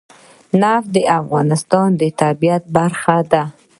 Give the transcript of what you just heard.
نفت د افغانستان د طبیعت برخه ده.